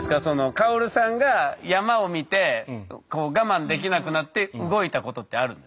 薫さんが山を見て我慢できなくなって動いたことってあるんですか？